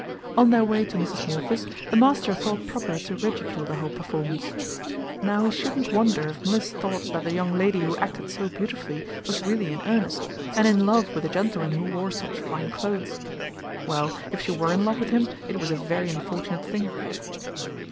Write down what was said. On their way to Mrs. Morpher's the master thought proper to ridicule the whole performance. Now he shouldn't wonder if Mliss thought that the young lady who acted so beautifully was really in earnest, and in love with the gentleman who wore such fine clothes. Well, if she were in love with him it was a very unfortunate thing!